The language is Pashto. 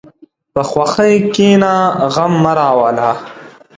په خوښۍ کښېنه، غم مه راوله.